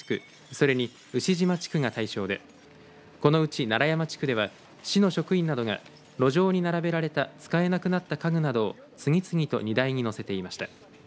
それに牛島地区が対象でこのうち楢山地区では市の職員などが路上に並べられた使えなくなった家具などを次々と荷台に載せていました。